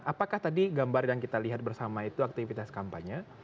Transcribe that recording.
apakah tadi gambar yang kita lihat bersama itu aktivitas kampanye